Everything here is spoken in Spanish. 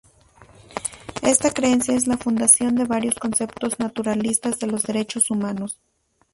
Esta creencia es la fundación de varios conceptos naturalistas de los derechos humanos.